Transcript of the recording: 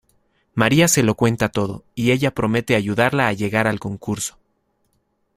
María se lo cuenta todo y ella promete ayudarla a llegar al concurso.